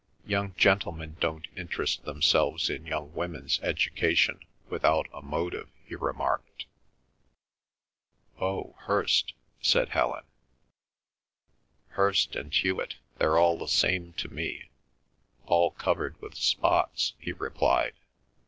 "Young gentlemen don't interest themselves in young women's education without a motive," he remarked. "Oh, Hirst," said Helen. "Hirst and Hewet, they're all the same to me—all covered with spots," he replied.